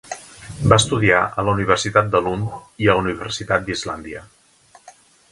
Va estudiar a la Universitat de Lund i a la Universitat d'Islàndia.